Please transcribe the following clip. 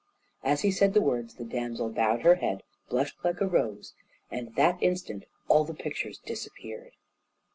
As he said the words the damsel bowed her head, blushed like a rose, and that instant all the pictures disappeared.